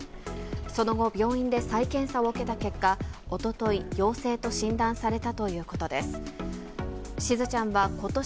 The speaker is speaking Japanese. その後、病院で再検査を受けた結果、おととい、陽性と診断されたということです。